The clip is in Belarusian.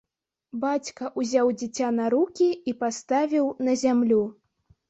Бацька ўзяў дзіця на рукі і паставіў на зямлю.